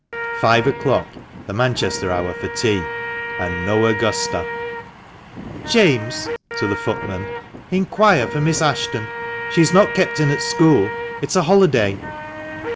Five o'clock, the Manchester hour for tea, and no Augusta! " James !" (to the footman), " inquire for Miss Ashton ; she is not kept in at school — it is a holiday."